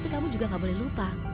tapi kamu juga gak boleh lupa